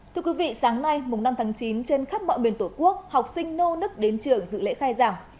thưa quý vị sáng nay mùng năm tháng chín trên khắp mọi miền tổ quốc học sinh nô nức đến trường dự lễ khai giảng